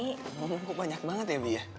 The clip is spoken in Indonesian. kok banyak banget ya bi ya